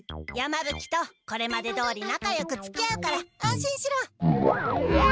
山ぶ鬼とこれまでどおりなかよくつきあうから安心しろ。